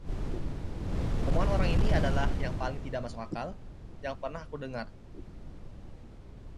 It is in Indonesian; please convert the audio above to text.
Omongan orang ini adalah yang paling tidak masuk akal yang pernah aku dengar!